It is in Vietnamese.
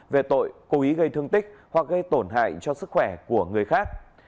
về tội cố ý gây thương tích hoặc gây tổn hại cho sức khỏe của người khác